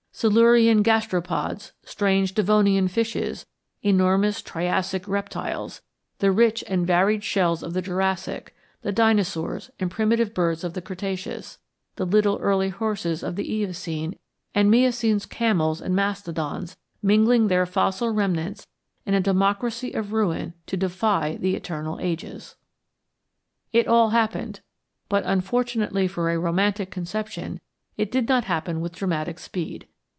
Silurian gastropods, strange Devonian fishes, enormous Triassic reptiles, the rich and varied shells of the Jurassic, the dinosaurs and primitive birds of Cretaceous, the little early horses of Eocene, and Miocene's camels and mastodons mingling their fossil remnants in a democracy of ruin to defy the eternal ages! It all happened, but unfortunately for a romantic conception, it did not happen with dramatic speed.